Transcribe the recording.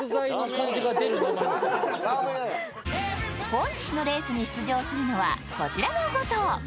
本日のレースに出場するのはこちらの５頭。